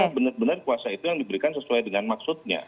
karena benar benar kuasa itu yang diberikan sesuai dengan maksudnya